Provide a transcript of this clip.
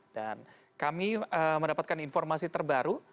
dan kami mendapatkan informasi terbaru